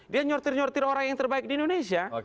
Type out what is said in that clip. dia nyortir nyortir orang yang terbaik di indonesia